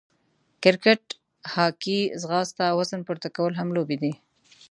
کرکېټ، هاکې، ځغاسته، وزن پورته کول هم لوبې دي.